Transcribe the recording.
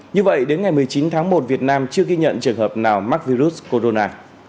như vậy đến ngày một mươi chín tháng một việt nam chưa ghi nhận trường hợp nào mắc virus corona